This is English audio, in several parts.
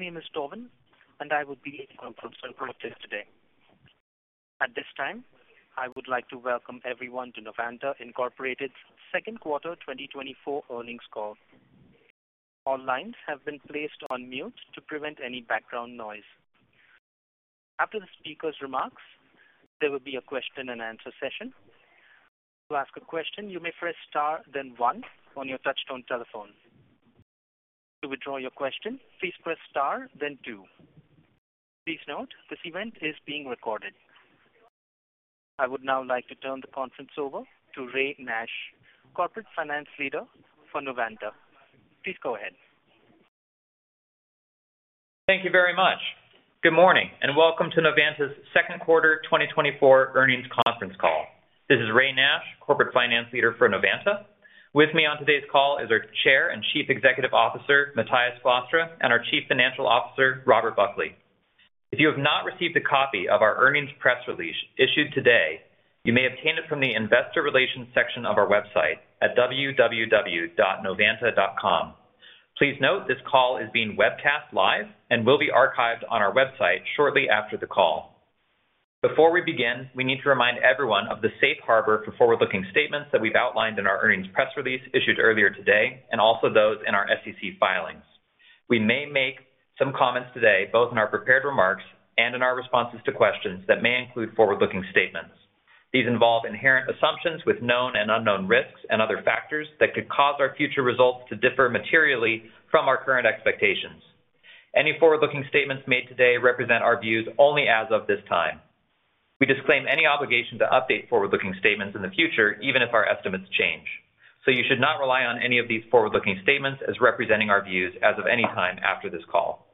My name is Tobin, and I will be your host for today. At this time, I would like to welcome everyone to Novanta Inc.'s second quarter 2024 earnings call. All lines have been placed on mute to prevent any background noise. After the speaker's remarks, there will be a question-and-answer session. To ask a question, you may press Star, then one on your touchtone telephone. To withdraw your question, please press Star then two. Please note, this event is being recorded. I would now like to turn the conference over to Ray Nash, Corporate Finance Leader for Novanta. Please go ahead. Thank you very much. Good morning, and welcome to Novanta's second quarter 2024 earnings conference call. This is Ray Nash, Corporate Finance Leader for Novanta. With me on today's call is our Chair and Chief Executive Officer, Matthijs Glastra, and our Chief Financial Officer, Robert Buckley. If you have not received a copy of our earnings press release issued today, you may obtain it from the Investor Relations section of our website at www.novanta.com. Please note, this call is being webcast live and will be archived on our website shortly after the call. Before we begin, we need to remind everyone of the safe harbor for forward-looking statements that we've outlined in our earnings press release issued earlier today, and also those in our SEC filings. We may make some comments today, both in our prepared remarks and in our responses to questions that may include forward-looking statements. These involve inherent assumptions with known and unknown risks and other factors that could cause our future results to differ materially from our current expectations. Any forward-looking statements made today represent our views only as of this time. We disclaim any obligation to update forward-looking statements in the future, even if our estimates change. So you should not rely on any of these forward-looking statements as representing our views as of any time after this call.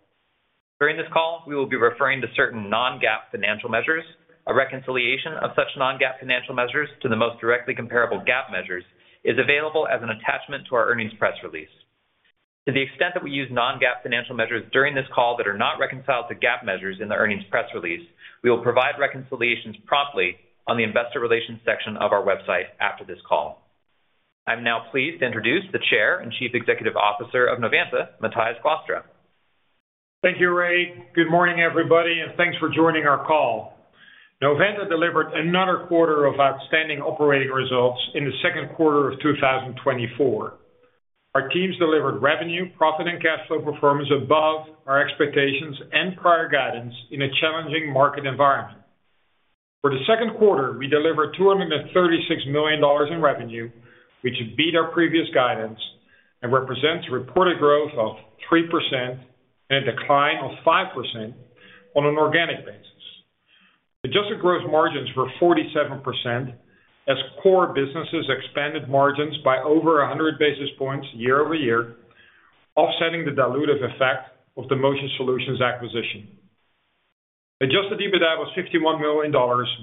During this call, we will be referring to certain non-GAAP financial measures. A reconciliation of such non-GAAP financial measures to the most directly comparable GAAP measures is available as an attachment to our earnings press release. To the extent that we use non-GAAP financial measures during this call that are not reconciled to GAAP measures in the earnings press release, we will provide reconciliations promptly on the Investor Relations section of our website after this call. I'm now pleased to introduce the Chair and Chief Executive Officer of Novanta, Matthijs Glastra. Thank you, Ray. Good morning, everybody, and thanks for joining our call. Novanta delivered another quarter of outstanding operating results in the second quarter of 2024. Our teams delivered revenue, profit, and cash flow performance above our expectations and prior guidance in a challenging market environment. For the second quarter, we delivered $236 million in revenue, which beat our previous guidance and represents reported growth of 3% and a decline of 5% on an organic basis. Adjusted gross margins were 47%, as core businesses expanded margins by over 100 basis points year-over-year, offsetting the dilutive effect of the Motion Solutions acquisition. Adjusted EBITDA was $51 million,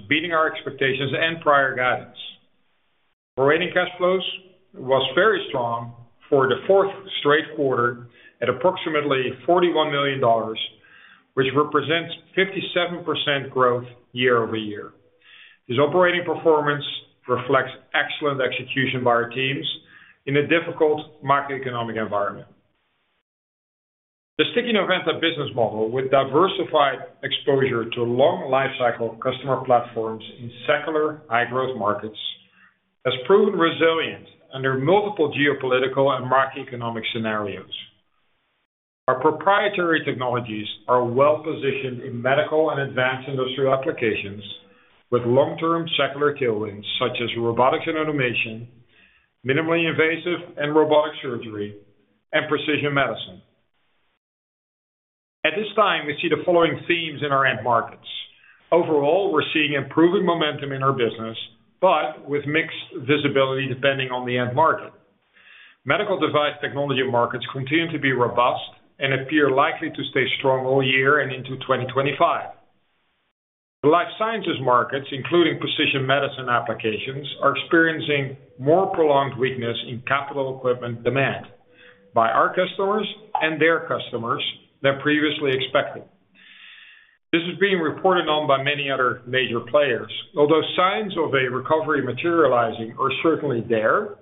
beating our expectations and prior guidance. Operating cash flows was very strong for the fourth straight quarter at approximately $41 million, which represents 57% growth year-over-year. This operating performance reflects excellent execution by our teams in a difficult macroeconomic environment. The sticky Novanta business model, with diversified exposure to long lifecycle customer platforms in secular high-growth markets, has proven resilient under multiple geopolitical and macroeconomic scenarios. Our proprietary technologies are well positioned in medical and advanced industrial applications with long-term secular tailwinds, such as Robotics and Automation, minimally invasive and robotic surgery, and precision medicine. At this time, we see the following themes in our end markets. Overall, we're seeing improving momentum in our business, but with mixed visibility depending on the end market. Medical device technology markets continue to be robust and appear likely to stay strong all year and into 2025. The life sciences markets, including precision medicine applications, are experiencing more prolonged weakness in capital equipment demand by our customers and their customers than previously expected. This is being reported on by many other major players. Although signs of a recovery materializing are certainly there,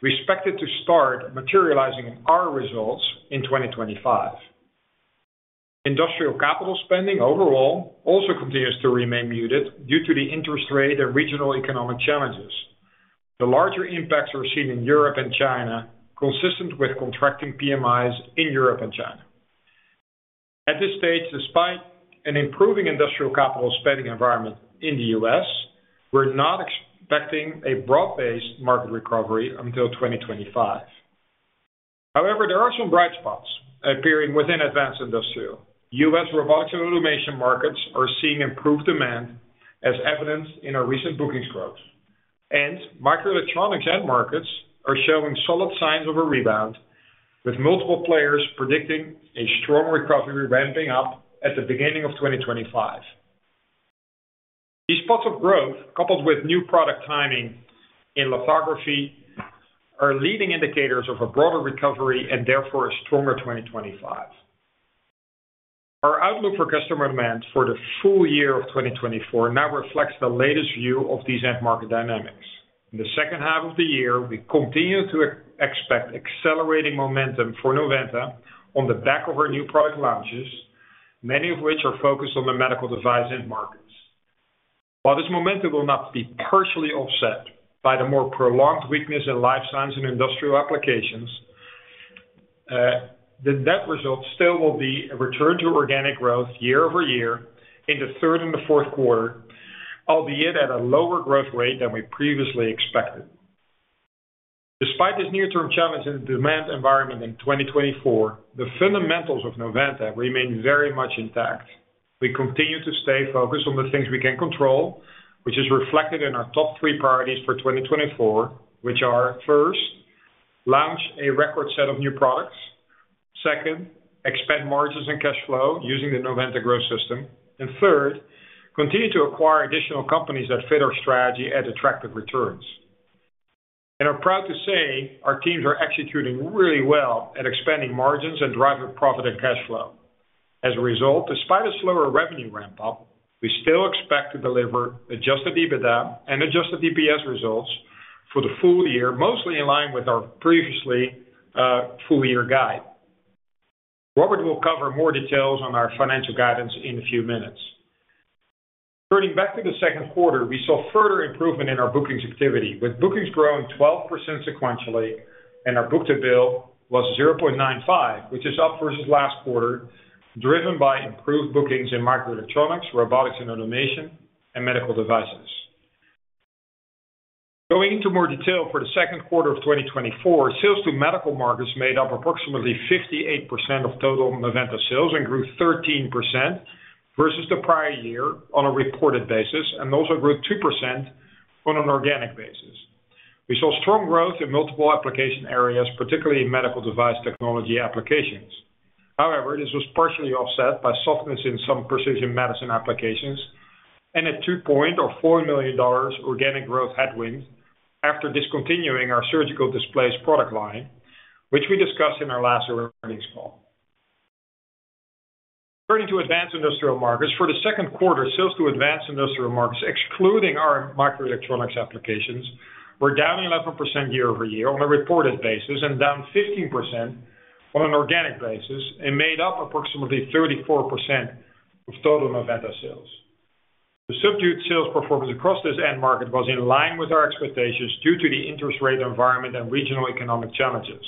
we expect it to start materializing in our results in 2025. Industrial capital spending overall also continues to remain muted due to the interest rate and regional economic challenges. The larger impacts are seen in Europe and China, consistent with contracting PMIs in Europe and China. At this stage, despite an improving industrial capital spending environment in the U.S., we're not expecting a broad-based market recovery until 2025. However, there are some bright spots appearing within advanced industrial. U.S. Robotics and Automation markets are seeing improved demand, as evidenced in our recent bookings growth. Microelectronics end markets are showing solid signs of a rebound, with multiple players predicting a strong recovery ramping up at the beginning of 2025. These spots of growth, coupled with new product timing in lithography, are leading indicators of a broader recovery and therefore a stronger 2025. Our outlook for customer demand for the full year of 2024 now reflects the latest view of these end market dynamics. In the second half of the year, we continue to expect accelerating momentum for Novanta on the back of our new product launches, many of which are focused on the medical device end markets. While this momentum will not be partially offset by the more prolonged weakness in life science and industrial applications, the net result still will be a return to organic growth year over year in the third and the fourth quarter, albeit at a lower growth rate than we previously expected. Despite this near-term challenge in the demand environment in 2024, the fundamentals of Novanta remain very much intact. We continue to stay focused on the things we can control, which is reflected in our top three priorities for 2024, which are, first, launch a record set of new products. Second, expand margins and cash flow using the Novanta Growth System. And third, continue to acquire additional companies that fit our strategy at attractive returns. And I'm proud to say our teams are executing really well at expanding margins and driving profit and cash flow. As a result, despite a slower revenue ramp-up, we still expect to deliver adjusted EBITDA and adjusted EPS results for the full year, mostly in line with our previously full-year guide. Robert will cover more details on our financial guidance in a few minutes. Turning back to the second quarter, we saw further improvement in our bookings activity, with bookings growing 12% sequentially, and our book-to-bill was 0.95, which is up versus last quarter, driven by improved bookings in microelectronics, Robotics and Automation, and medical devices. Going into more detail for the second quarter of 2024, sales to medical markets made up approximately 58% of total Novanta sales and grew 13% versus the prior year on a reported basis, and also grew 2% on an organic basis. We saw strong growth in multiple application areas, particularly in medical device technology applications. However, this was partially offset by softness in some precision medicine applications and a 2% or $4 million organic growth headwind after discontinuing our surgical displays product line, which we discussed in our last earnings call. Turning to advanced industrial markets. For the second quarter, sales to advanced industrial markets, excluding our microelectronics applications, were down 11% year-over-year on a reported basis, and down 15% on an organic basis, and made up approximately 34% of total Novanta sales. The subdued sales performance across this end market was in line with our expectations due to the interest rate environment and regional economic challenges.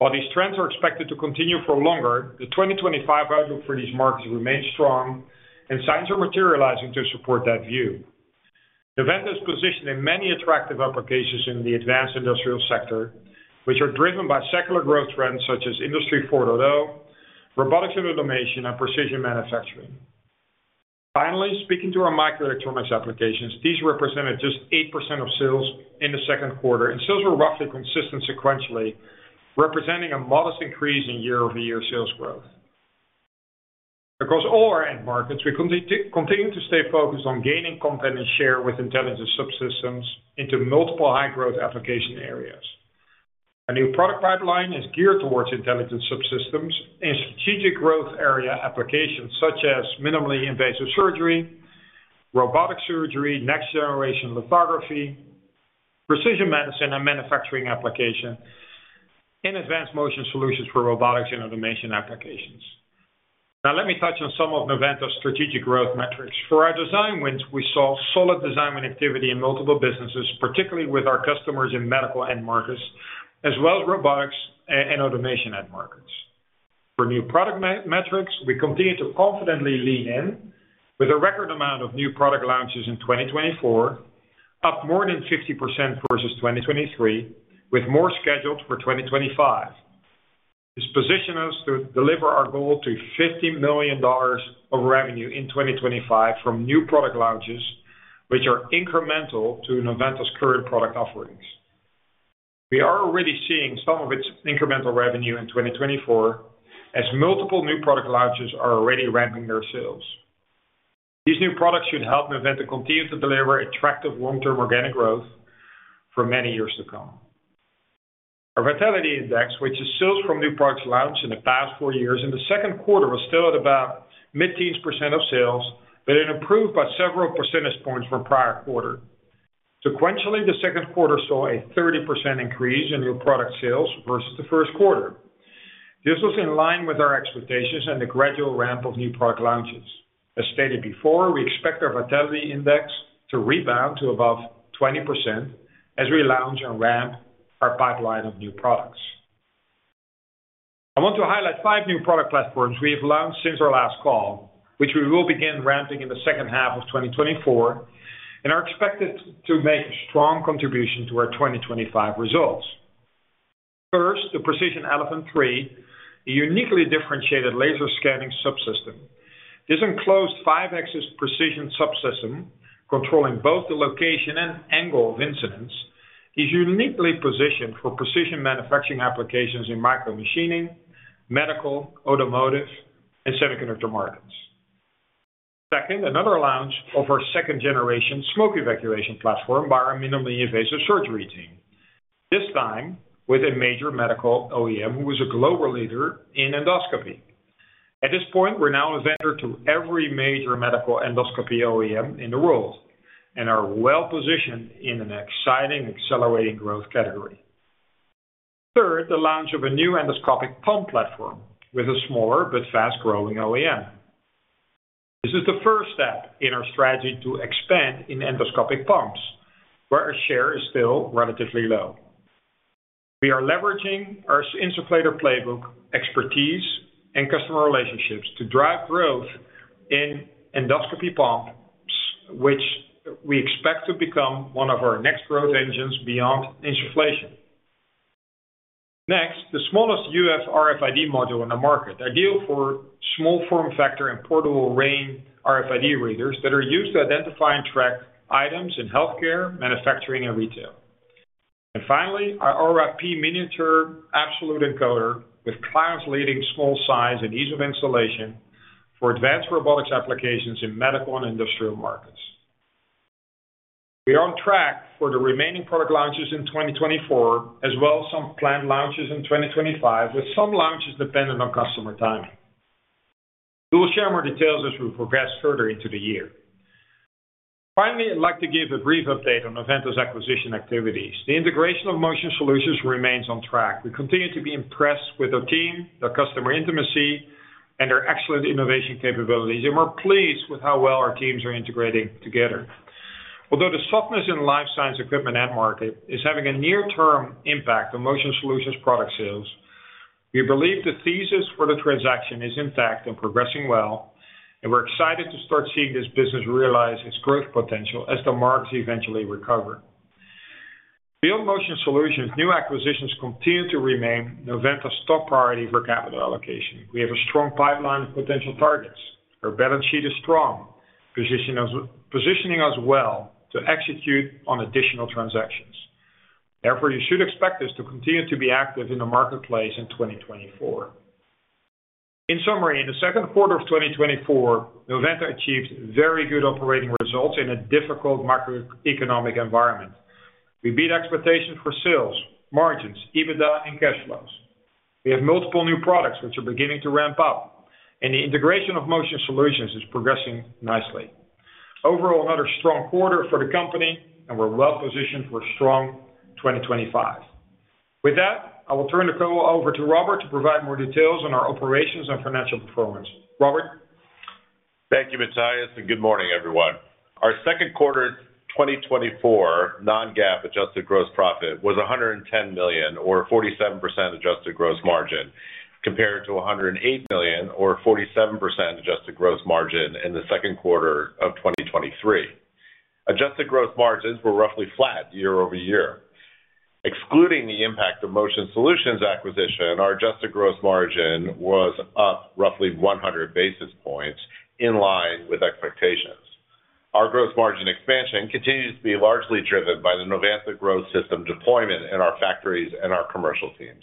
While these trends are expected to continue for longer, the 2025 outlook for these markets remains strong, and signs are materializing to support that view. Novanta is positioned in many attractive applications in the advanced industrial sector, which are driven by secular growth trends such as Industry 4.0, Robotics and Automation, and Precision Manufacturing. Finally, speaking to our microelectronics applications, these represented just 8% of sales in the second quarter, and sales were roughly consistent sequentially, representing a modest increase in year-over-year sales growth. Across all our end markets, we continue to stay focused on gaining content and share with intelligent subsystems into multiple high-growth application areas. Our new product pipeline is geared towards intelligent subsystems and strategic growth area applications such as minimally invasive surgery, robotic surgery, next-generation lithography, Precision Medicine and Manufacturing application, and advanced motion solutions for Robotics and Automation applications. Now, let me touch on some of Novanta's strategic growth metrics. For our design wins, we saw solid design win activity in multiple businesses, particularly with our customers in medical end markets, as well as Robotics and Automation end markets. For new product metrics, we continue to confidently lean in with a record amount of new product launches in 2024, up more than 50% versus 2023, with more scheduled for 2025. This positions us to deliver our goal to $50 million of revenue in 2025 from new product launches, which are incremental to Novanta's current product offerings. We are already seeing some of its incremental revenue in 2024, as multiple new product launches are already ramping their sales. These new products should help Novanta continue to deliver attractive long-term organic growth for many years to come. Our vitality index, which is sales from new products launched in the past four years, in the second quarter, was still at about mid-teens percent of sales, but it improved by several percentage points from prior quarter. Sequentially, the second quarter saw a 30% increase in new product sales versus the first quarter. This was in line with our expectations and the gradual ramp of new product launches. As stated before, we expect our vitality index to rebound to above 20% as we launch and ramp our pipeline of new products. I want to highlight five new product platforms we have launched since our last call, which we will begin ramping in the second half of 2024, and are expected to make a strong contribution to our 2025 results. First, the Precession Elephant III, a uniquely differentiated laser scanning subsystem. This enclosed five-axis precision subsystem, controlling both the location and angle of incidence, is uniquely positioned for precision manufacturing applications in micro-machining, medical, automotive, and semiconductor markets. Second, another launch of our second-generation smoke evacuation platform by our minimally invasive surgery team, this time with a major medical OEM, who is a global leader in endoscopy. At this point, we're now a vendor to every major medical endoscopy OEM in the world, and are well-positioned in an exciting, accelerating growth category. Third, the launch of a new endoscopic pump platform with a smaller but fast-growing OEM. This is the first step in our strategy to expand in endoscopic pumps, where our share is still relatively low. We are leveraging our insufflator playbook, expertise, and customer relationships to drive growth in endoscopy pumps, which we expect to become one of our next growth engines beyond insufflation. Next, the smallest UHF RFID module in the market, ideal for small form factor and portable RAIN RFID readers that are used to identify and track items in healthcare, manufacturing, and retail. And finally, our Aura P miniature absolute encoder with class-leading small size and ease of installation for advanced robotics applications in medical and industrial markets. We are on track for the remaining product launches in 2024, as well as some planned launches in 2025, with some launches dependent on customer timing. We will share more details as we progress further into the year. Finally, I'd like to give a brief update on Novanta's acquisition activities. The integration of Motion Solutions remains on track. We continue to be impressed with their team, their customer intimacy, and their excellent innovation capabilities, and we're pleased with how well our teams are integrating together. Although the softness in the life science equipment end market is having a near-term impact on Motion Solutions product sales, we believe the thesis for the transaction is intact and progressing well, and we're excited to start seeing this business realize its growth potential as the markets eventually recover. Beyond Motion Solutions, new acquisitions continue to remain Novanta's top priority for capital allocation. We have a strong pipeline of potential targets. Our balance sheet is strong, positioning us well to execute on additional transactions. Therefore, you should expect us to continue to be active in the marketplace in 2024. In summary, in the second quarter of 2024, Novanta achieved very good operating results in a difficult macroeconomic environment. We beat expectations for sales, margins, EBITDA, and cash flows. We have multiple new products which are beginning to ramp up, and the integration of Motion Solutions is progressing nicely. Overall, another strong quarter for the company, and we're well positioned for a strong 2025. With that, I will turn the call over to Robert to provide more details on our operations and financial performance. Robert? Thank you, Matthijs, and good morning, everyone. Our second quarter 2024 non-GAAP adjusted gross profit was $110 million, or 47% adjusted gross margin, compared to $108 million, or 47% adjusted gross margin in the second quarter of 2023. Adjusted gross margins were roughly flat year over year. Excluding the impact of Motion Solutions acquisition, our adjusted gross margin was up roughly 100 basis points, in line with expectations. Our gross margin expansion continues to be largely driven by the Novanta Growth System deployment in our factories and our commercial teams.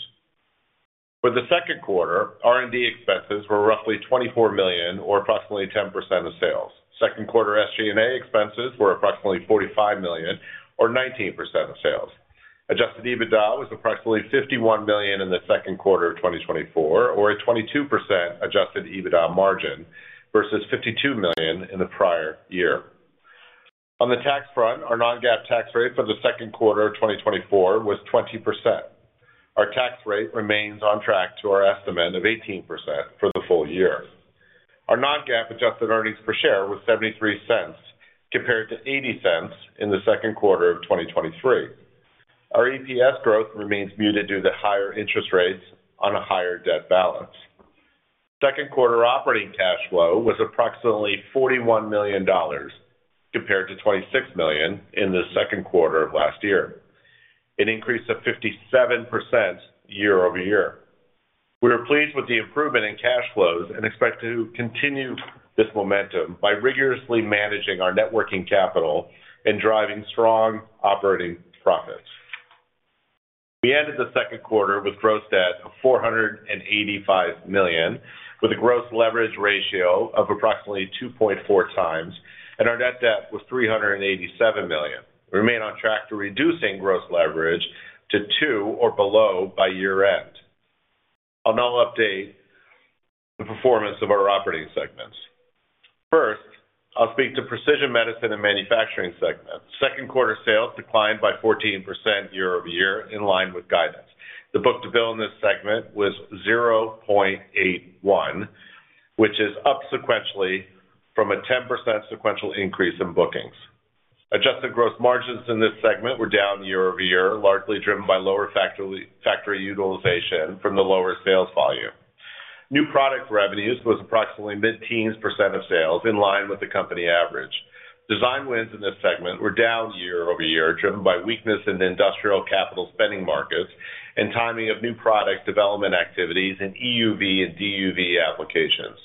For the second quarter, R&D expenses were roughly $24 million, or approximately 10% of sales. Second quarter SG&A expenses were approximately $45 million, or 19% of sales. Adjusted EBITDA was approximately $51 million in the second quarter of 2024, or a 22% adjusted EBITDA margin, versus $52 million in the prior year. On the tax front, our non-GAAP tax rate for the second quarter of 2024 was 20%. Our tax rate remains on track to our estimate of 18% for the full year. Our non-GAAP adjusted earnings per share was $0.73, compared to $0.80 in the second quarter of 2023. Our EPS growth remains muted due to higher interest rates on a higher debt balance. Second quarter operating cash flow was approximately $41 million, compared to $26 million in the second quarter of last year, an increase of 57% year over year. We are pleased with the improvement in cash flows and expect to continue this momentum by rigorously managing our net working capital and driving strong operating profits. We ended the second quarter with gross debt of $485 million, with a gross leverage ratio of approximately 2.4x, and our net debt was $387 million. We remain on track to reducing gross leverage to 2 or below by year-end. I'll now update the performance of our operating segments. First, I'll speak to Precision Medicine and Manufacturing segment. Second quarter sales declined by 14% year-over-year, in line with guidance. The book-to-bill in this segment was 0.81, which is up sequentially from a 10% sequential increase in bookings. Adjusted gross margins in this segment were down year-over-year, largely driven by lower factory utilization from the lower sales volume. New product revenues was approximately mid-teens percent of sales, in line with the company average. Design wins in this segment were down year-over-year, driven by weakness in the industrial capital spending markets and timing of new product development activities in EUV and DUV applications.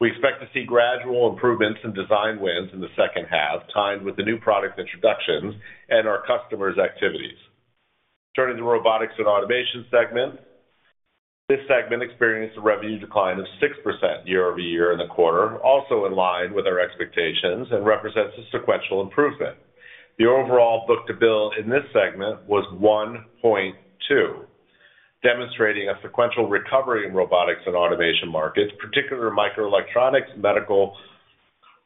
We expect to see gradual improvements in design wins in the second half, timed with the new product introductions and our customers' activities. Turning to Robotics and Automation segment. This segment experienced a revenue decline of 6% year-over-year in the quarter, also in line with our expectations, and represents a sequential improvement. The overall book-to-bill in this segment was 1.2, demonstrating a sequential recovery in Robotics and Automation markets, particularly microelectronics, medical,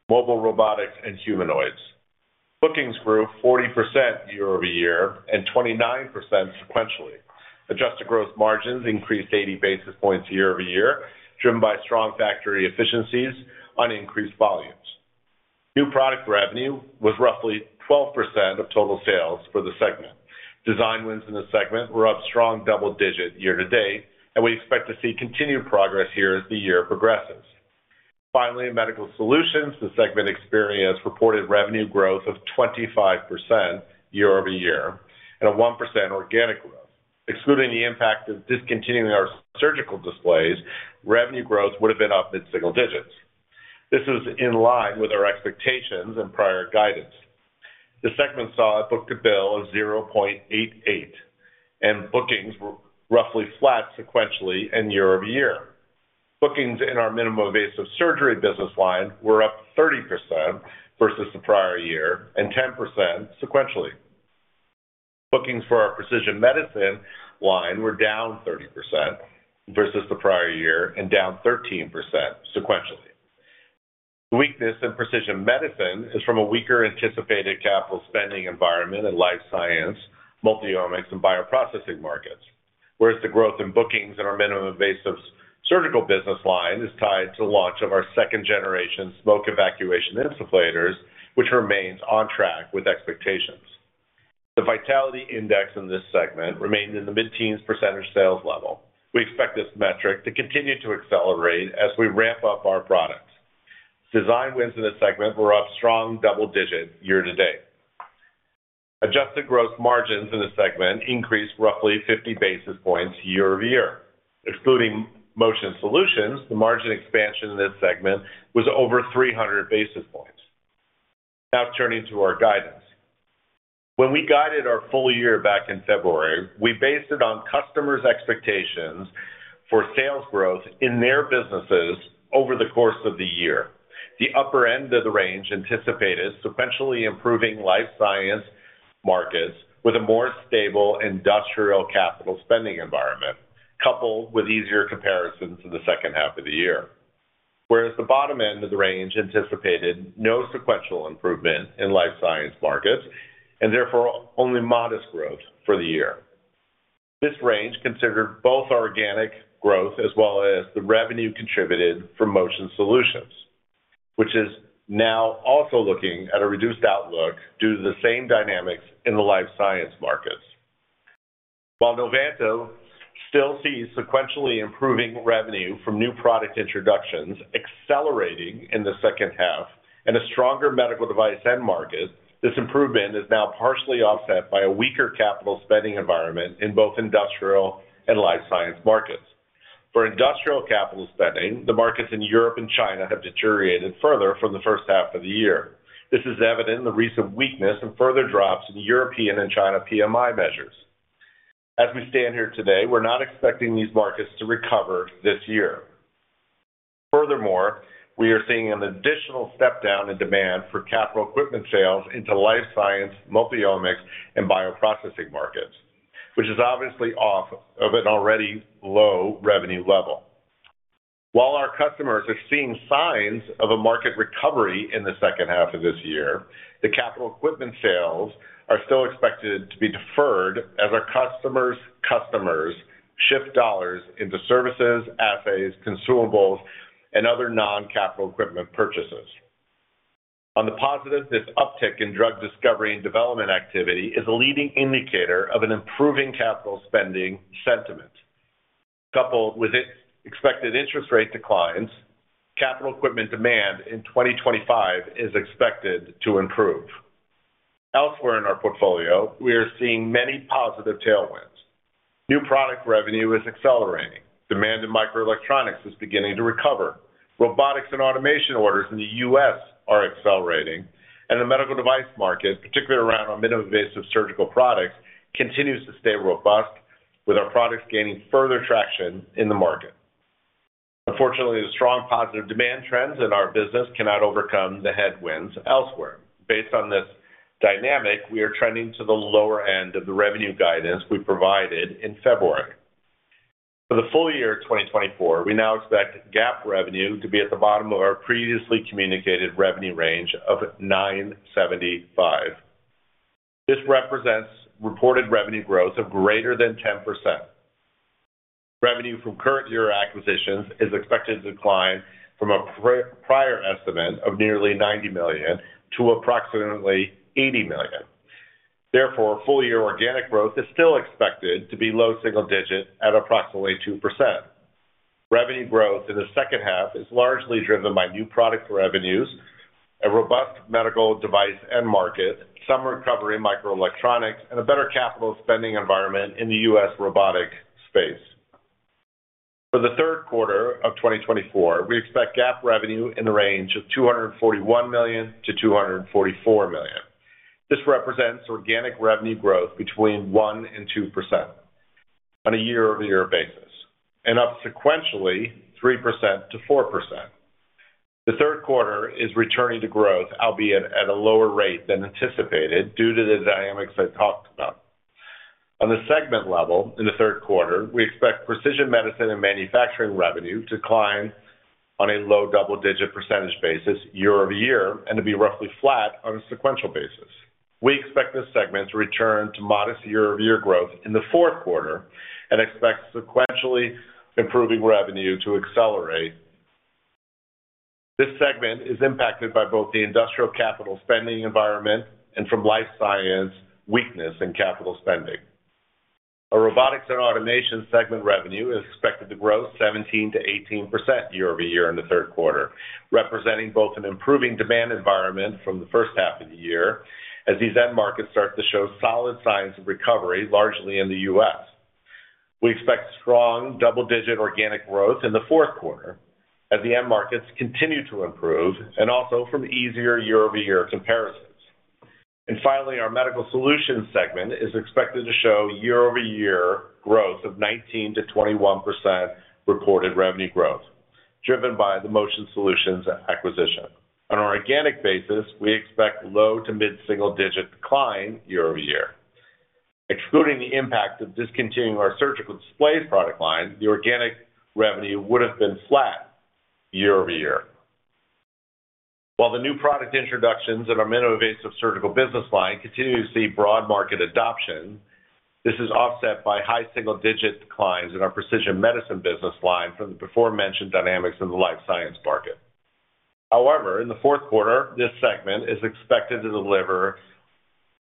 mobile robotics, and humanoids. Bookings grew 40% year-over-year and 29% sequentially. Adjusted gross margins increased 80 basis points year-over-year, driven by strong factory efficiencies on increased volumes. New product revenue was roughly 12% of total sales for the segment. Design wins in the segment were up strong double digits year-to-date, and we expect to see continued progress here as the year progresses. Finally, in Medical Solutions, the segment experienced reported revenue growth of 25% year-over-year and a 1% organic growth. Excluding the impact of discontinuing our surgical displays, revenue growth would have been up mid-single digits. This is in line with our expectations and prior guidance. The segment saw a book-to-bill of 0.88, and bookings were roughly flat sequentially and year-over-year. Bookings in our minimally invasive surgery business line were up 30% versus the prior year and 10% sequentially. Bookings for our precision medicine line were down 30% versus the prior year and down 13% sequentially. The weakness in precision medicine is from a weaker anticipated capital spending environment in life science, multiomics, and bioprocessing markets, whereas the growth in bookings in our minimally invasive surgical business line is tied to the launch of our second generation smoke evacuation insufflators, which remains on track with expectations. The vitality index in this segment remained in the mid-teens percentage sales level. We expect this metric to continue to accelerate as we ramp up our products. Design wins in this segment were up strong double digits year-to-date. Adjusted gross margins in the segment increased roughly 50 basis points year-over-year. Excluding Motion Solutions, the margin expansion in this segment was over 300 basis points. Now turning to our guidance. When we guided our full year back in February, we based it on customers' expectations for sales growth in their businesses over the course of the year. The upper end of the range anticipated sequentially improving life science markets with a more stable industrial capital spending environment, coupled with easier comparisons in the second half of the year. Whereas the bottom end of the range anticipated no sequential improvement in life science markets and therefore only modest growth for the year. This range considered both organic growth as well as the revenue contributed from Motion Solutions, which is now also looking at a reduced outlook due to the same dynamics in the life science markets. While Novanta still sees sequentially improving revenue from new product introductions accelerating in the second half and a stronger medical device end market, this improvement is now partially offset by a weaker capital spending environment in both industrial and life science markets. For industrial capital spending, the markets in Europe and China have deteriorated further from the first half of the year. This is evident in the recent weakness and further drops in European and China PMI measures. As we stand here today, we're not expecting these markets to recover this year. Furthermore, we are seeing an additional step down in demand for capital equipment sales into life science, multiomics, and bioprocessing markets, which is obviously off of an already low revenue level. While our customers are seeing signs of a market recovery in the second half of this year, the capital equipment sales are still expected to be deferred as our customers' customers shift dollars into services, assays, consumables, and other non-capital equipment purchases. On the positive, this uptick in drug discovery and development activity is a leading indicator of an improving capital spending sentiment. Coupled with expected interest rate declines, capital equipment demand in 2025 is expected to improve. Elsewhere in our portfolio, we are seeing many positive tailwinds. New product revenue is accelerating. Demand in microelectronics is beginning to recover. Robotics and Automation orders in the U.S. are accelerating, and the medical device market, particularly around our minimally invasive surgical products, continues to stay robust, with our products gaining further traction in the market. Unfortunately, the strong positive demand trends in our business cannot overcome the headwinds elsewhere. Based on this dynamic, we are trending to the lower end of the revenue guidance we provided in February. For the full year 2024, we now expect GAAP revenue to be at the bottom of our previously communicated revenue range of $975 million. This represents reported revenue growth of greater than 10%. Revenue from current year acquisitions is expected to decline from a prior estimate of nearly $90 million to approximately $80 million. Therefore, full year organic growth is still expected to be low single-digit at approximately 2%. Revenue growth in the second half is largely driven by new product revenues, a robust medical device end market, some recovery in microelectronics, and a better capital spending environment in the U.S. robotic space. For the third quarter of 2024, we expect GAAP revenue in the range of $241 million-$244 million. This represents organic revenue growth between 1% and 2% on a year-over-year basis, and up sequentially 3%-4%. The third quarter is returning to growth, albeit at a lower rate than anticipated, due to the dynamics I talked about. On the segment level, in the third quarter, we expect Precision Medicine and Manufacturing revenue to decline on a low double-digit percentage basis year-over-year, and to be roughly flat on a sequential basis. We expect this segment to return to modest year-over-year growth in the fourth quarter and expect sequentially improving revenue to accelerate. This segment is impacted by both the industrial capital spending environment and from life science weakness in capital spending. Our Robotics and Automation segment revenue is expected to grow 17%-18% year-over-year in the third quarter, representing both an improving demand environment from the first half of the year as these end markets start to show solid signs of recovery, largely in the U.S. We expect strong double-digit organic growth in the fourth quarter as the end markets continue to improve, and also from easier year-over-year comparisons. And finally, our Medical Solutions segment is expected to show year-over-year growth of 19%-21% reported revenue growth, driven by the Motion Solutions acquisition. On an organic basis, we expect low to mid-single-digit decline year-over-year. Excluding the impact of discontinuing our surgical displays product line, the organic revenue would have been flat year-over-year. While the new product introductions in our minimally invasive surgical business line continue to see broad market adoption, this is offset by high single-digit declines in our precision medicine business line from the aforementioned dynamics in the life science market. However, in the fourth quarter, this segment is expected to deliver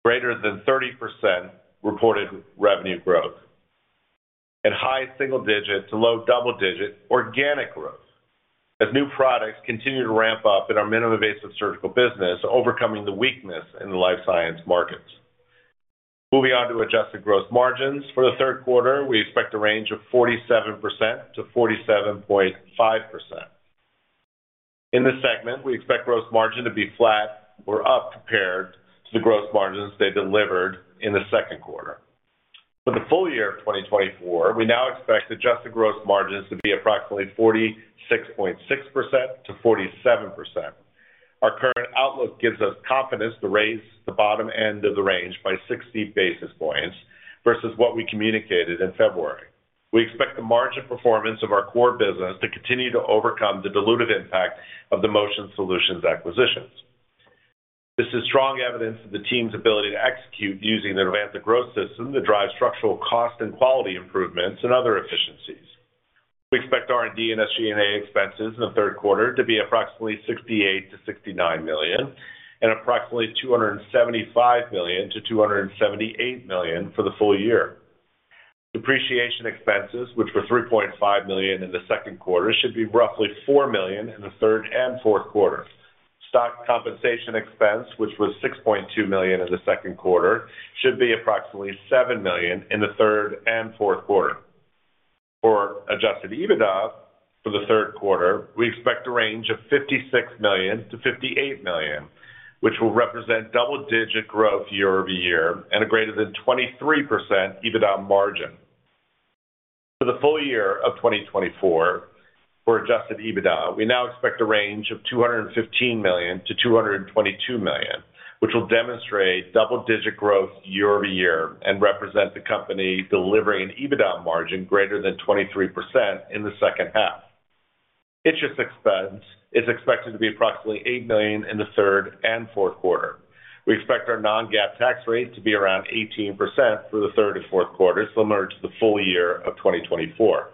greater than 30% reported revenue growth and high single-digit to low double-digit organic growth, as new products continue to ramp up in our Minimally Invasive Surgical business, overcoming the weakness in the life science markets. Moving on to adjusted gross margins. For the third quarter, we expect a range of 47%-47.5%. In this segment, we expect gross margin to be flat or up compared to the gross margins they delivered in the second quarter. For the full year of 2024, we now expect adjusted gross margins to be approximately 46.6%-47%. Our current outlook gives us confidence to raise the bottom end of the range by 60 basis points versus what we communicated in February. We expect the margin performance of our core business to continue to overcome the dilutive impact of the Motion Solutions acquisitions. This is strong evidence of the team's ability to execute using the Novanta Growth System to drive structural cost and quality improvements and other efficiencies. We expect R&D and SG&A expenses in the third quarter to be approximately $68 million-$69 million, and approximately $275 million-$278 million for the full year. Depreciation expenses, which were $3.5 million in the second quarter, should be roughly $4 million in the third and fourth quarter. Stock compensation expense, which was $6.2 million in the second quarter, should be approximately $7 million in the third and fourth quarter. For adjusted EBITDA for the third quarter, we expect a range of $56 million-$58 million, which will represent double-digit growth year-over-year and a greater than 23% EBITDA margin. For the full year of 2024, for adjusted EBITDA, we now expect a range of $215 million-$222 million, which will demonstrate double-digit growth year-over-year and represent the company delivering an EBITDA margin greater than 23% in the second half. Interest expense is expected to be approximately $8 million in the third and fourth quarter. We expect our non-GAAP tax rate to be around 18% for the third and fourth quarters, similar to the full year of 2024.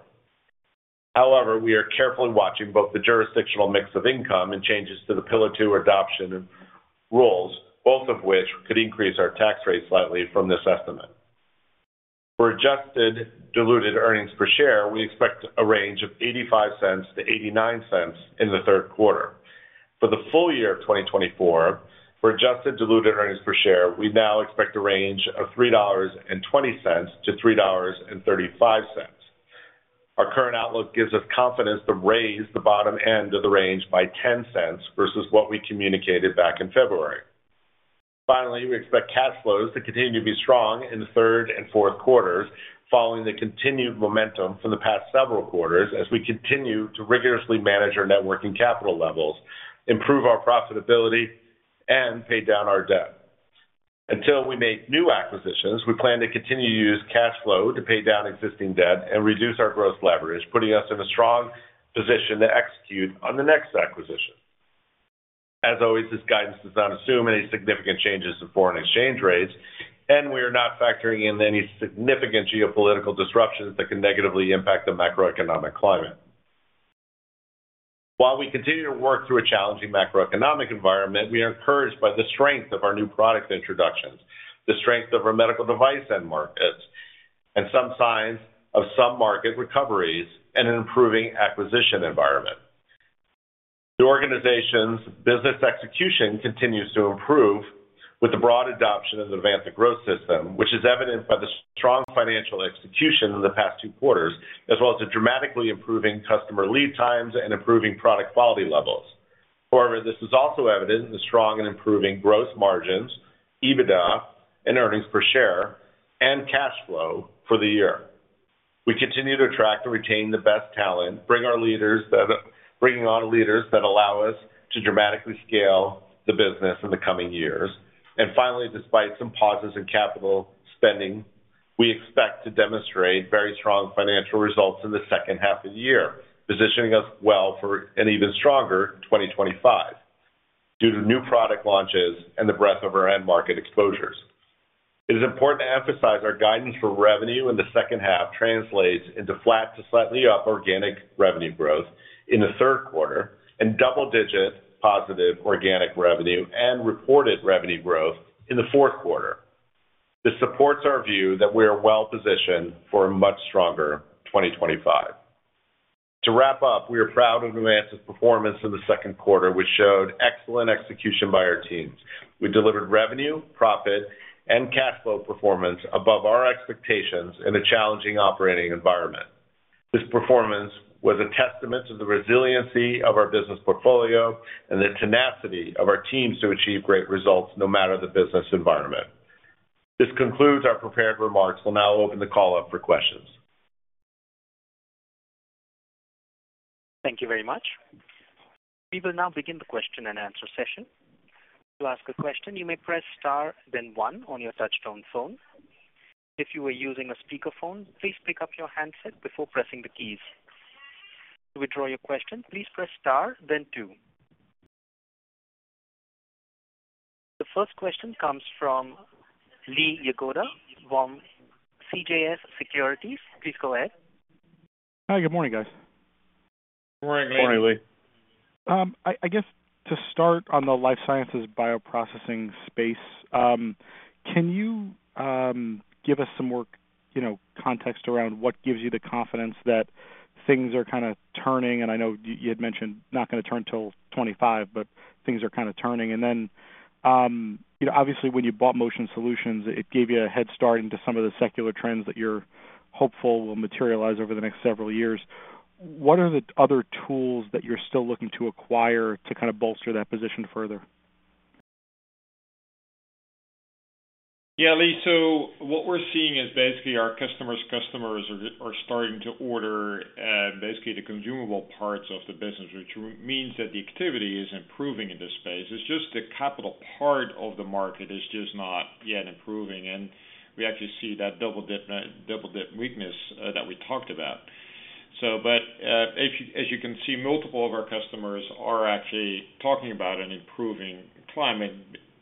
However, we are carefully watching both the jurisdictional mix of income and changes to the Pillar Two adoption rules, both of which could increase our tax rate slightly from this estimate. For adjusted diluted earnings per share, we expect a range of $0.85-$0.89 in the third quarter. For the full year of 2024, for adjusted diluted earnings per share, we now expect a range of $3.20-$3.35. Our current outlook gives us confidence to raise the bottom end of the range by $0.10 versus what we communicated back in February. Finally, we expect cash flows to continue to be strong in the third and fourth quarters, following the continued momentum from the past several quarters as we continue to rigorously manage our net working capital levels, improve our profitability, and pay down our debt. Until we make new acquisitions, we plan to continue to use cash flow to pay down existing debt and reduce our gross leverage, putting us in a strong position to execute on the next acquisition. As always, this guidance does not assume any significant changes in foreign exchange rates, and we are not factoring in any significant geopolitical disruptions that can negatively impact the macroeconomic climate. While we continue to work through a challenging macroeconomic environment, we are encouraged by the strength of our new product introductions, the strength of our medical device end markets, and some signs of some market recoveries and an improving acquisition environment. The organization's business execution continues to improve with the broad adoption of the Novanta Growth System, which is evidenced by the strong financial execution in the past two quarters, as well as the dramatically improving customer lead times and improving product quality levels. However, this is also evident in the strong and improving growth margins, EBITDA, and earnings per share, and cash flow for the year. We continue to attract and retain the best talent, bringing on leaders that allow us to dramatically scale the business in the coming years. And finally, despite some pauses in capital spending, we expect to demonstrate very strong financial results in the second half of the year, positioning us well for an even stronger 2025 due to new product launches and the breadth of our end market exposures. It is important to emphasize our guidance for revenue in the second half translates into flat to slightly up organic revenue growth in the third quarter and double-digit positive organic revenue and reported revenue growth in the fourth quarter. This supports our view that we are well positioned for a much stronger 2025. To wrap up, we are proud of Novanta's performance in the second quarter, which showed excellent execution by our teams. We delivered revenue, profit, and cash flow performance above our expectations in a challenging operating environment. This performance was a testament to the resiliency of our business portfolio and the tenacity of our teams to achieve great results, no matter the business environment. This concludes our prepared remarks. We'll now open the call up for questions. Thank you very much. We will now begin the question and answer session. To ask a question, you may press Star, then one on your touchtone phone. If you are using a speakerphone, please pick up your handset before pressing the keys. To withdraw your question, please press Star, then two. The first question comes from Lee Jagoda from CJS Securities. Please go ahead. Hi, good morning, guys. Good morning, Lee. Good morning, Lee. I guess to start on the life sciences bioprocessing space, can you give us some more, you know, context around what gives you the confidence that things are kind of turning? And I know you had mentioned not gonna turn till 2025, but things are kind of turning. And then, you know, obviously, when you bought Motion Solutions, it gave you a head start into some of the secular trends that you're hopeful will materialize over the next several years. What are the other tools that you're still looking to acquire to kind of bolster that position further? Yeah, Lee, so what we're seeing is basically our customers' customers are starting to order basically the consumable parts of the business, which means that the activity is improving in this space. It's just the capital part of the market is just not yet improving, and we actually see that double-digit weakness that we talked about. So but, as you, as you can see, multiple of our customers are actually talking about an improving climate,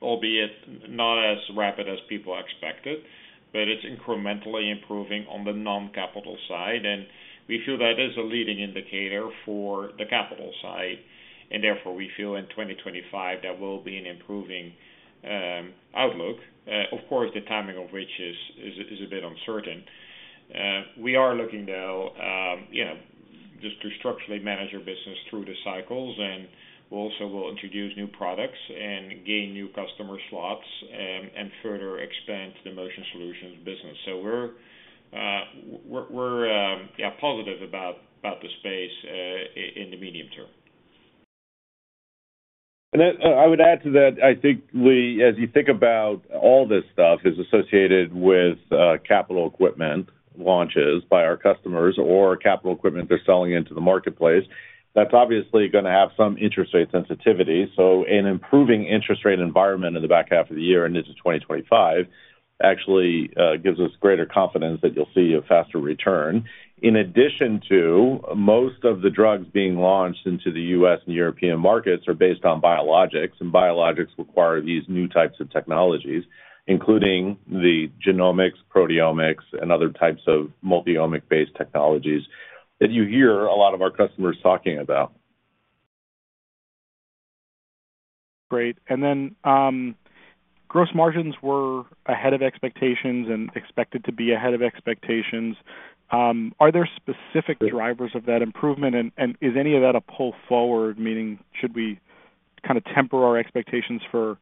albeit not as rapid as people expected, but it's incrementally improving on the non-capital side, and we feel that is a leading indicator for the capital side. And therefore, we feel in 2025, there will be an improving outlook. Of course, the timing of which is a bit uncertain. We are looking to just structurally manage our business through the cycles, and we also will introduce new products and gain new customer slots, and further expand the Motion Solutions business. So we're positive about the space in the medium term. And then, I would add to that, I think, Lee, as you think about all this stuff is associated with capital equipment launches by our customers or capital equipment they're selling into the marketplace, that's obviously gonna have some interest rate sensitivity. So an improving interest rate environment in the back half of the year and into 2025 actually, gives us greater confidence that you'll see a faster return. In addition to most of the drugs being launched into the U.S. and European markets are based on biologics, and biologics require these new types of technologies, including the genomics, proteomics, and other types of multiomic-based technologies that you hear a lot of our customers talking about. Great. And then, gross margins were ahead of expectations and expected to be ahead of expectations. Are there specific drivers of that improvement? And, and is any of that a pull forward, meaning should we kind of temper our expectations for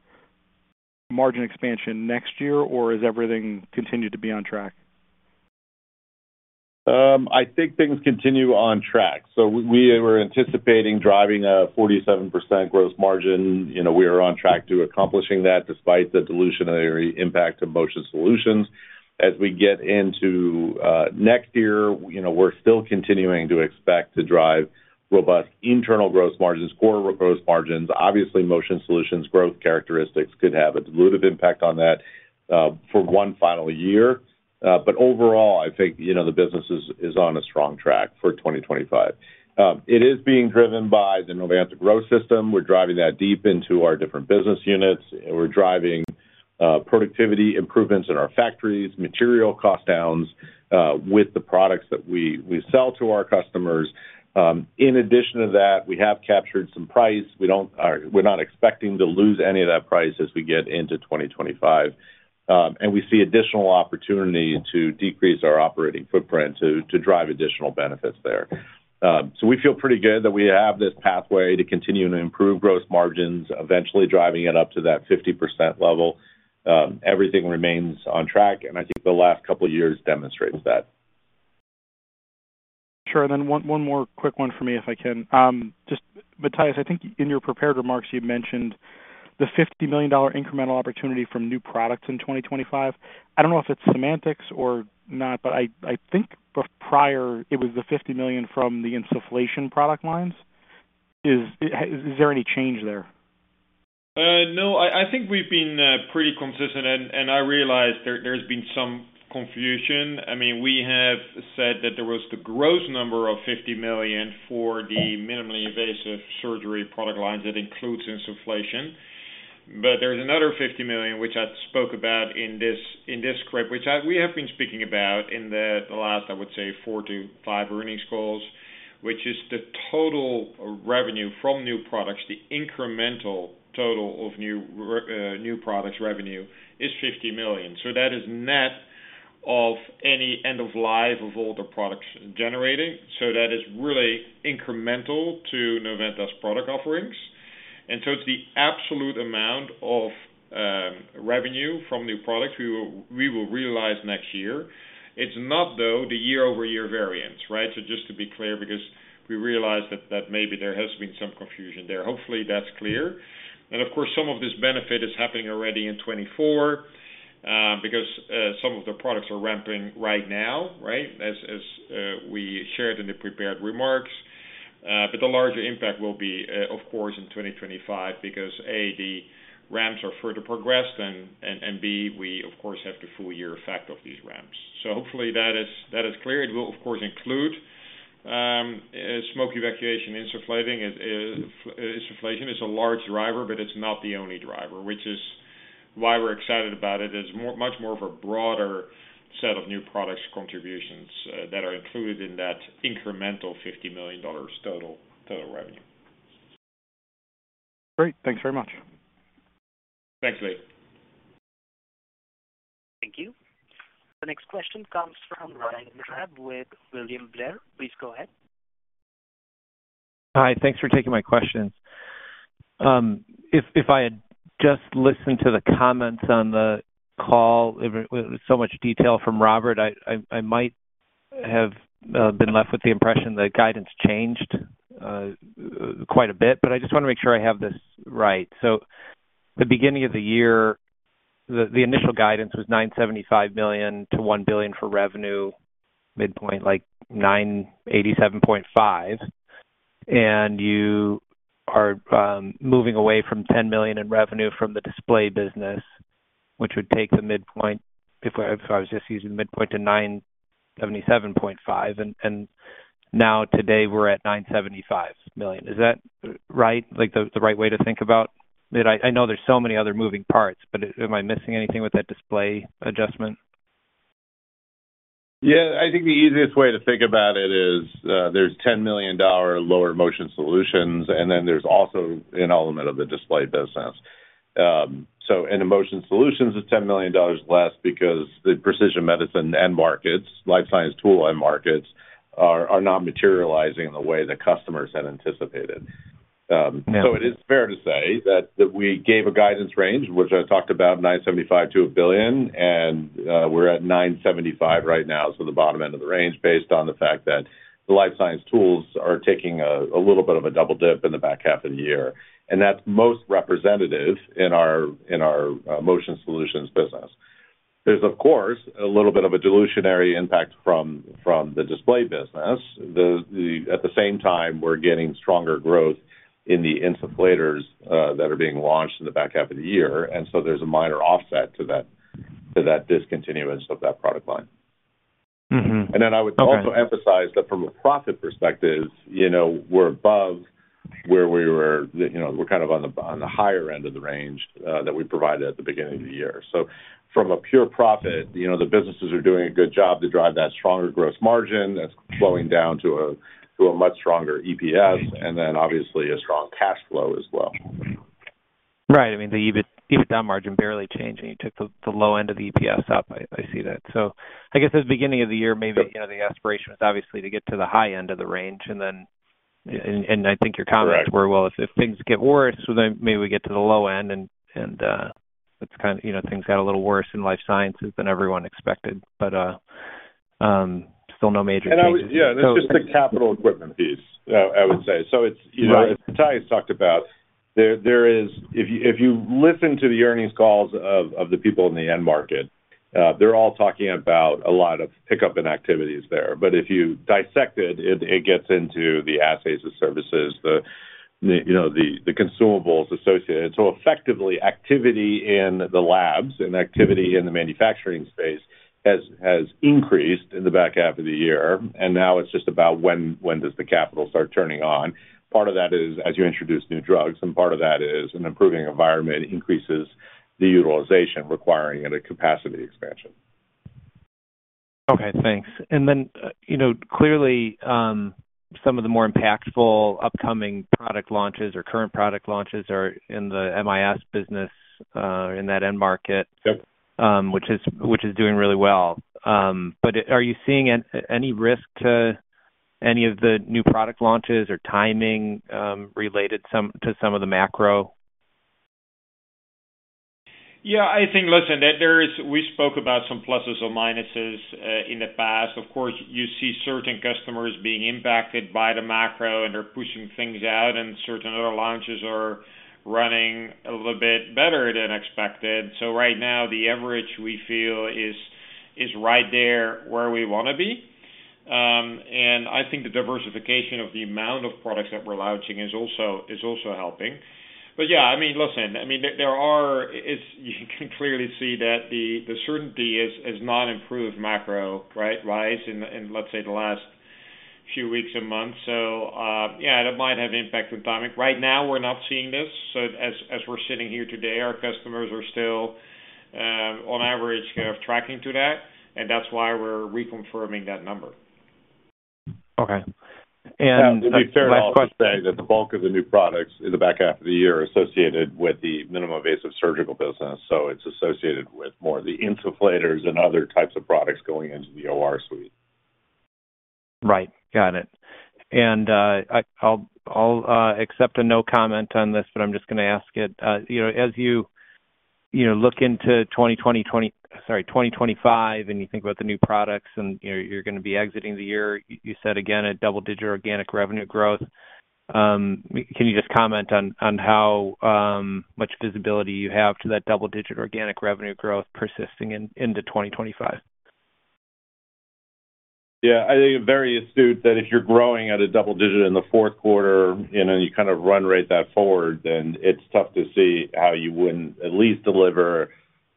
margin expansion next year, or is everything continued to be on track? I think things continue on track. So we were anticipating driving a 47% gross margin. You know, we are on track to accomplishing that, despite the dilutionary impact of Motion Solutions. As we get into next year, you know, we're still continuing to expect to drive robust internal gross margins, core gross margins. Obviously, Motion Solutions growth characteristics could have a dilutive impact on that, for one final year. But overall, I think, you know, the business is on a strong track for 2025. It is being driven by the Novanta Growth System. We're driving that deep into our different business units. We're driving productivity improvements in our factories, material cost downs, with the products that we sell to our customers. In addition to that, we have captured some price. We're not expecting to lose any of that price as we get into 2025, and we see additional opportunity to decrease our operating footprint to drive additional benefits there. So we feel pretty good that we have this pathway to continuing to improve gross margins, eventually driving it up to that 50% level. Everything remains on track, and I think the last couple of years demonstrates that. Sure, then one more quick one for me, if I can. Just Matthijs, I think in your prepared remarks, you mentioned the $50 million incremental opportunity from new products in 2025. I don't know if it's semantics or not, but I think the prior it was the $50 million from the insufflation product lines. Is there any change there? No. I think we've been pretty consistent, and I realize there's been some confusion. I mean, we have said that there was the gross number of $50 million for the minimally invasive surgery product lines. That includes insufflation. But there's another $50 million, which I spoke about in this script, which we have been speaking about in the last, I would say, 4 to 5 earnings calls, which is the total revenue from new products. The incremental total of new products revenue is $50 million. So that is net of any end of life of older products generating. So that is really incremental to Novanta's product offerings. And so it's the absolute amount of revenue from new products we will realize next year. It's not, though, the year-over-year variance, right? So just to be clear, because we realize that, that maybe there has been some confusion there. Hopefully, that's clear. And of course, some of this benefit is happening already in 2024, because some of the products are ramping right now, right? As, as, we shared in the prepared remarks. But the larger impact will be, of course, in 2025, because, A, the ramps are further progressed, and, and, and B, we of course, have the full year effect of these ramps. So hopefully that is, that is clear. It will, of course, include smoke evacuation, insufflating, insufflation is a large driver, but it's not the only driver, which is why we're excited about it. It's more, much more of a broader set of new products contributions, that are included in that incremental $50 million total, total revenue. Great. Thanks very much. Thanks, Lee. Thank you. The next question comes from Brian Drab with William Blair. Please go ahead. Hi, thanks for taking my questions. If, if I had just listened to the comments on the call, with, with so much detail from Robert, I, I, I might have been left with the impression that guidance changed quite a bit, but I just want to make sure I have this right. So the beginning of the year, the, the initial guidance was $975 million-$1 billion for revenue, midpoint, like $987.5 million, and you are moving away from $10 million in revenue from the display business, which would take the midpoint, if I, if I was just using the midpoint to $977.5 million, and, and now today we're at $975 million. Is that right? Like, the, the right way to think about it? I know there's so many other moving parts, but am I missing anything with that display adjustment? Yeah, I think the easiest way to think about it is, there's $10 million lower Motion Solutions, and then there's also an element of the display business. So in the Motion Solutions, it's $10 million less because the Precision Medicine end markets, life science tool end markets, are not materializing in the way the customers had anticipated. So it is fair to say that we gave a guidance range, which I talked about, $975 million-$1 billion, and we're at $975 million right now. So the bottom end of the range, based on the fact that the life science tools are taking a little bit of a double dip in the back half of the year, and that's most representative in our Motion Solutions business. There's of course a little bit of a dilutionary impact from the display business. At the same time, we're getting stronger growth in the insufflators that are being launched in the back half of the year, and so there's a minor offset to that discontinuance of that product line. And then I would also emphasize that from a profit perspective, you know, we're above where we were. You know, we're kind of on the higher end of the range that we provided at the beginning of the year. So from a pure profit, you know, the businesses are doing a good job to drive that stronger gross margin that's flowing down to a much stronger EPS and then obviously a strong cash flow as well. Right. I mean, the EBIT, EPS, down margin barely changing. You took the low end of the EPS up. I see that. So I guess at the beginning of the year, maybe, you know, the aspiration was obviously to get to the high end of the range, and then, and I think your comments were, well, if things get worse, so then maybe we get to the low end, and it's kind of, you know, things got a little worse in life sciences than everyone expected, but still no major changes. I would. Yeah, that's just the capital equipment piece, I would say. So it's, you know as Matthijs talked about there, there is. If you listen to the earnings calls of the people in the end market, they're all talking about a lot of pickup in activities there. But if you dissect it, it gets into the assays, the services, the, you know, the consumables associated. So effectively, activity in the labs and activity in the manufacturing space has increased in the back half of the year, and now it's just about when does the capital start turning on? Part of that is as you introduce new drugs, and part of that is an improving environment increases the utilization, requiring any capacity expansion. Okay, thanks. And then, you know, clearly, some of the more impactful upcoming product launches or current product launches are in the MIS business, in that end market which is, which is doing really well. But are you seeing any risk to any of the new product launches or timing, related to some of the macro? Yeah, I think, listen, that there is, we spoke about some pluses or minuses in the past. Of course, you see certain customers being impacted by the macro, and they're pushing things out, and certain other launches are running a little bit better than expected. So right now, the average we feel is right there where we want to be. And I think the diversification of the amount of products that we're launching is also helping. But, yeah, I mean, listen, I mean, there are, it's, you can clearly see that the certainty has not improved macro, right, rise in, in, let's say, the last few weeks and months. So, yeah, that might have an impact with dynamic. Right now, we're not seeing this, so as we're sitting here today, our customers are still, on average, kind of, tracking to that, and that's why we're reconfirming that number. Okay. To be fair, I'll just say that the bulk of the new products in the back half of the year are associated with the minimally invasive surgical business, so it's associated with more of the insufflators and other types of products going into the OR suite. Right, got it. And, I'll accept a no comment on this, but I'm just going to ask it. You know, as you, you know, look into 2025, and you think about the new products, and, you know, you're going to be exiting the year, you said again, a double-digit organic revenue growth. Can you just comment on how much visibility you have to that double-digit organic revenue growth persisting into 2025? Yeah, I think very astute, that if you're growing at a double digit in the fourth quarter, you know, you kind of run rate that forward, then it's tough to see how you wouldn't at least deliver,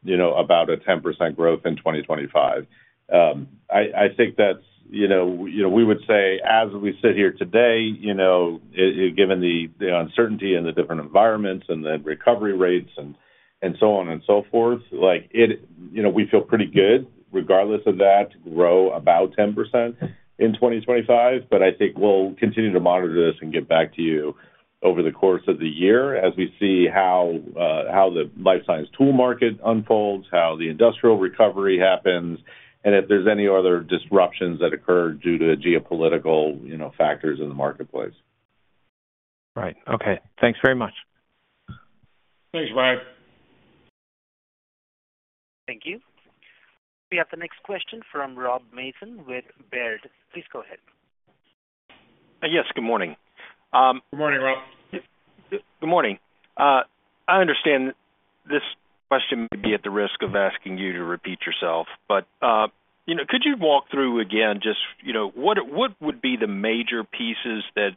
you know, about a 10% growth in 2025. I think that's, you know, you know, we would say, as we sit here today, you know, given the, the uncertainty in the different environments and the recovery rates and, and so on and so forth, like, it, you know, we feel pretty good regardless of that, to grow about 10% in 2025. But I think we'll continue to monitor this and get back to you over the course of the year as we see how the life science tool market unfolds, how the industrial recovery happens, and if there's any other disruptions that occur due to geopolitical, you know, factors in the marketplace. Right. Okay, thanks very much. Thanks, Brian. Thank you. We have the next question from Rob Mason with Baird. Please go ahead. Yes, good morning. Good morning, Rob. Good morning. I understand this question may be at the risk of asking you to repeat yourself, but, you know, could you walk through again, just, you know, what, what would be the major pieces that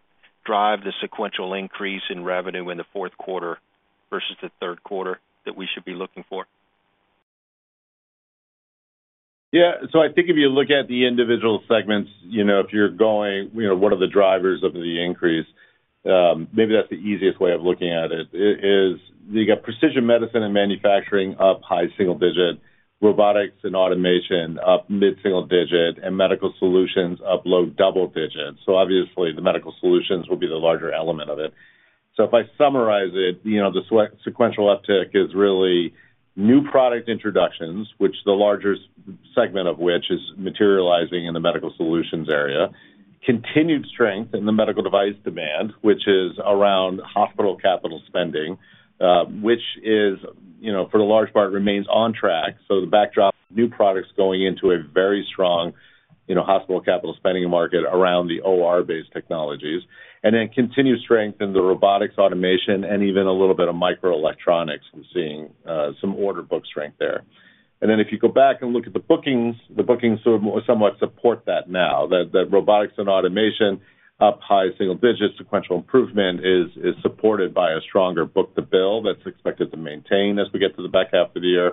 drive the sequential increase in revenue in the fourth quarter versus the third quarter that we should be looking for? Yeah, so I think if you look at the individual segments, you know, if you're going, you know, what are the drivers of the increase? Maybe that's the easiest way of looking at it, is you got Precision Medicine and Manufacturing up high single digit, Robotics and Automation up mid-single digit, and Medical Solutions up low double digits. So obviously, the Medical Solutions will be the larger element of it. So if I summarize it, you know, the sequential uptick is really new product introductions, which the larger segment of which is materializing in the Medical Solutions area. Continued strength in the medical device demand, which is around hospital capital spending, which is, you know, for the large part, remains on track. So the backdrop, new products going into a very strong, you know, hospital capital spending market around the OR-based technologies, and then continued strength in the robotics, automation, and even a little bit of microelectronics. We're seeing some order book strength there. And then if you go back and look at the bookings, the bookings sort of somewhat support that now that Robotics and Automation up high single digits. Sequential improvement is supported by a stronger book-to-bill that's expected to maintain as we get to the back half of the year.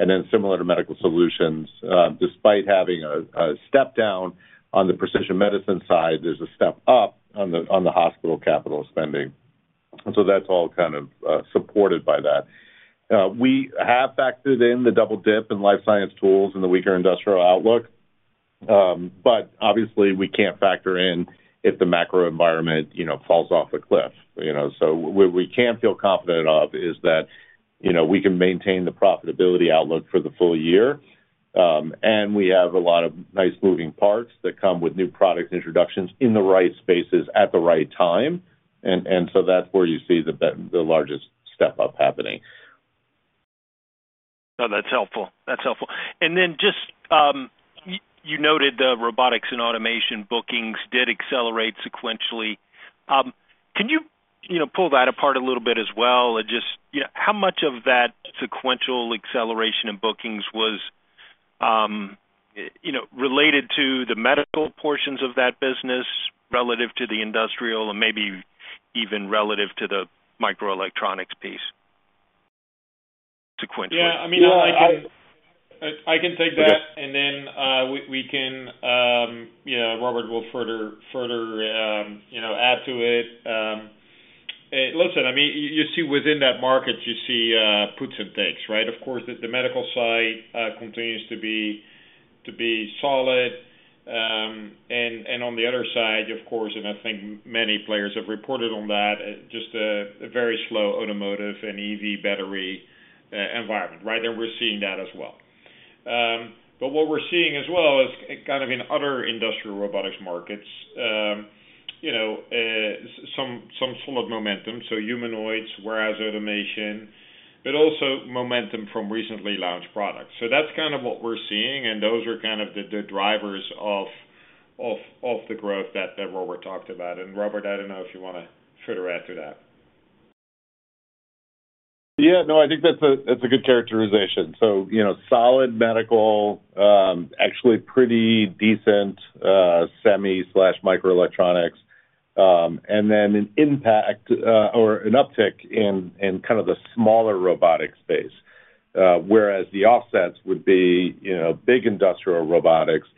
And then similar to Medical Solutions, despite having a step down on the precision medicine side, there's a step up on the hospital capital spending. And so that's all kind of supported by that. We have factored in the double dip in life science tools and the weaker industrial outlook, but obviously, we can't factor in if the macro environment, you know, falls off a cliff, you know? So what we can feel confident of is that, you know, we can maintain the profitability outlook for the full year, and we have a lot of nice moving parts that come with new product introductions in the right spaces at the right time, and, and so that's where you see the, the largest step-up happening. Oh, that's helpful. That's helpful. And then just, you noted the Robotics and Automation bookings did accelerate sequentially. Can you, you know, pull that apart a little bit as well, and just, you know, how much of that sequential acceleration in bookings was, you know, related to the medical portions of that business relative to the industrial and maybe even relative to the microelectronics piece, sequentially? Yeah, I mean, I can take that and then, we can, you know, Robert will further, you know, add to it. Listen, I mean, you see within that market, you see, puts and takes, right? Of course, the medical side continues to be solid, and on the other side, of course, and I think many players have reported on that, just a very slow automotive and EV battery environment, right? And we're seeing that as well. But what we're seeing as well is kind of in other industrial robotics markets, you know, some solid momentum, so humanoids, as well as automation, but also momentum from recently launched products. So that's kind of what we're seeing, and those are kind of the drivers of the growth that Robert talked about. Robert, I don't know if you wanna further add to that. Yeah, no, I think that's a, that's a good characterization. So, you know, solid medical, actually pretty decent, semi/microelectronics, and then an impact, or an uptick in, in kind of the smaller robotic space, whereas the offsets would be, you know, big industrial robotics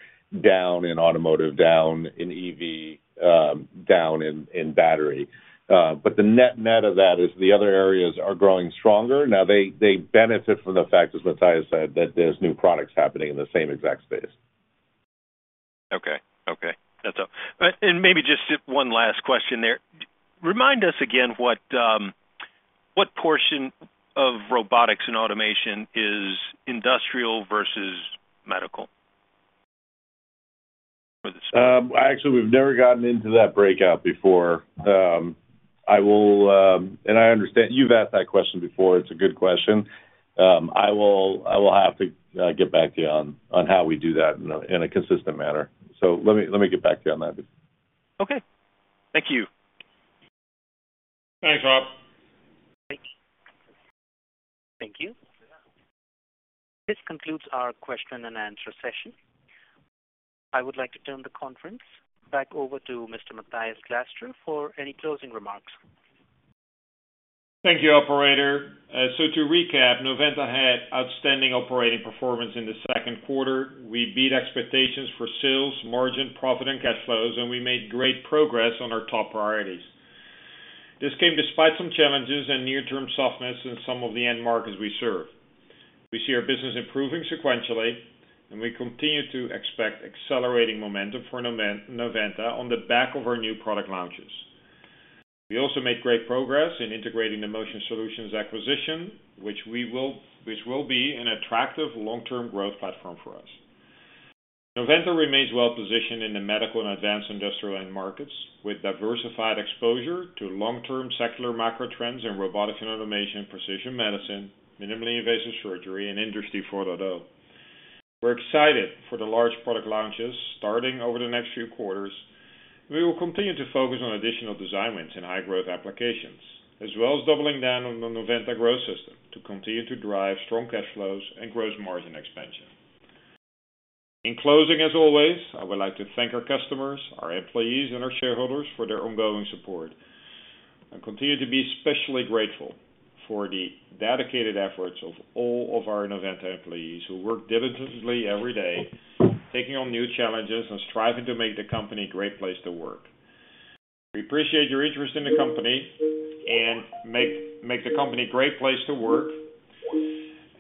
down in automotive, down in EV, down in, in battery. But the net-net of that is the other areas are growing stronger. Now, they, they benefit from the fact, as Matthijs said, that there's new products happening in the same exact space. Okay. Okay, that's all. Maybe just one last question there. Remind us again what, what portion of Robotics and Automation is industrial versus medical? Actually, we've never gotten into that breakout before. I understand, you've asked that question before. It's a good question. I will, I will have to get back to you on, on how we do that in a, in a consistent manner. So let me, let me get back to you on that. Okay. Thank you. Thanks, Rob. Thank you. This concludes our question-and-answer session. I would like to turn the conference back over to Mr. Matthijs Glastra for any closing remarks. Thank you, operator. So to recap, Novanta had outstanding operating performance in the second quarter. We beat expectations for sales, margin, profit, and cash flows, and we made great progress on our top priorities. This came despite some challenges and near-term softness in some of the end markets we serve. We see our business improving sequentially, and we continue to expect accelerating momentum for Novanta on the back of our new product launches. We also made great progress in integrating the Motion Solutions acquisition, which will be an attractive long-term growth platform for us. Novanta remains well positioned in the medical and advanced industrial end markets, with diversified exposure to long-term secular macro trends in Robotics and Automation, Precision Medicine, minimally invasive surgery, and Industry 4.0. We're excited for the large product launches starting over the next few quarters. We will continue to focus on additional design wins and high-growth applications, as well as doubling down on the Novanta Growth System to continue to drive strong cash flows and gross margin expansion. In closing, as always, I would like to thank our customers, our employees, and our shareholders for their ongoing support. I continue to be especially grateful for the dedicated efforts of all of our Novanta employees, who work diligently every day, taking on new challenges and striving to make the company a great place to work. We appreciate your interest in the company and make the company a great place to work,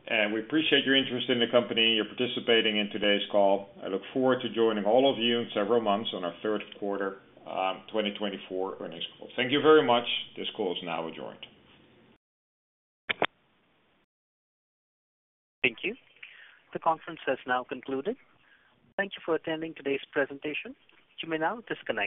and we appreciate your interest in the company. You're participating in today's call. I look forward to joining all of you in several months on our third quarter 2024 earnings call. Thank you very much. This call is now adjourned. Thank you. The conference has now concluded. Thank you for attending today's presentation. You may now disconnect.